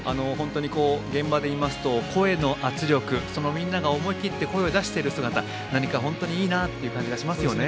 現場でいますと声の圧力そのみんなが思い切って声を出している姿が何かいいなという感じがします。